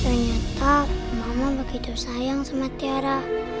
ternyata mama begitu sayang sama tiara